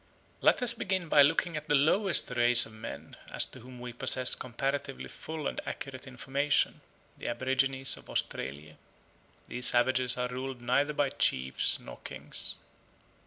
Let us begin by looking at the lowest race of men as to whom we possess comparatively full and accurate information, the aborigines of Australia. These savages are ruled neither by chiefs nor kings.